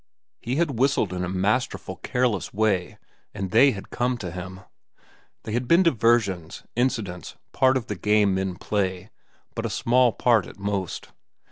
He had whistled in a masterful, careless way, and they had come to him. They had been diversions, incidents, part of the game men play, but a small part at most.